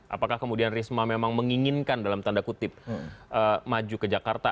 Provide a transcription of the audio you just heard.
apakah kemudian risma memang menginginkan dalam tanda kutip maju ke jakarta